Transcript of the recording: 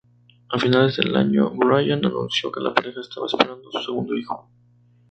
A finales de año, Bryant anunció que la pareja estaba esperando su segundo hijo.